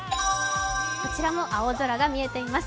こちらも青空が見えています。